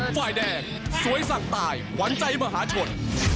ฝ่ายแดงสวยสั่งตายหวานใจมหาชน